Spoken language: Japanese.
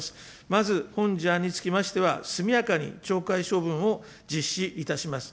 まず本事案につきましては、速やかに懲戒処分を実施いたします。